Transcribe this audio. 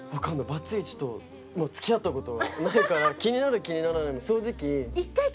バツイチと付き合った事がないから気になる気にならないも正直。